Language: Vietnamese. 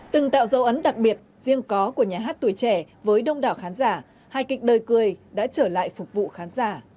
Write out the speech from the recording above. từng tạo dấu ấn đặc biệt riêng có của nhà hát tuổi trẻ với đông đảo khán giả hai kịch đời cười đã trở lại phục vụ khán giả